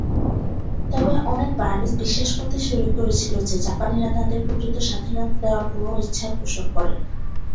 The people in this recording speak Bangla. তবে, অনেক বার্মিজ বিশ্বাস করতে শুরু করেছিল যে জাপানিরা তাদের প্রকৃত স্বাধীনতা দেওয়ার কোনও ইচ্ছা পোষণ করে না।